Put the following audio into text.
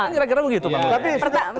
kira kira begitu bang narang